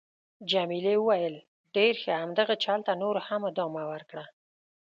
جميلې وويل:: ډېر ښه. همدغه چل ته نور هم ادامه ورکړه.